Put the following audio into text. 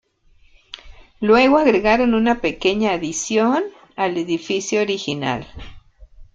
Luego agregaron una pequeña adición al edificio original.